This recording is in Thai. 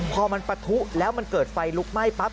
พอมันปะทุแล้วมันเกิดไฟลุกไหม้ปั๊บ